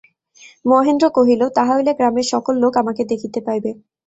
মহেন্দ্র কহিল, তাহা হইলে গ্রামের সকল লোক আমাকে দেখিতে পাইবে।